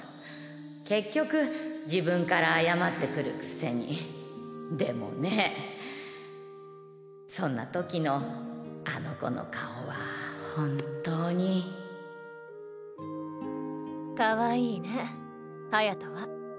結局自分から謝ってくるくせにでもねそんなときのあの子の顔は本当にかわいいね隼は。